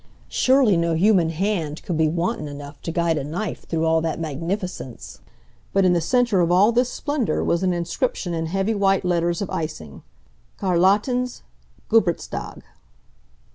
Surely no human hand could be wanton enough to guide a knife through all that magnificence. But in the center of all this splendor was an inscription in heavy white letters of icing: "Charlottens Geburtstag."